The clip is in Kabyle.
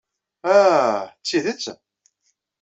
Ah! D tidet?